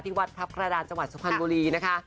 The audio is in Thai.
ที่วัดทัพกระดานจังหวัดสุขันต์บุรีนะคะ